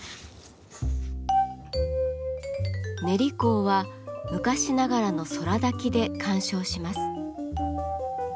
練香は昔ながらの空薫で鑑賞します。